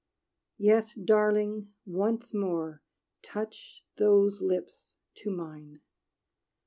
Yet, darling, once more touch Those lips to mine.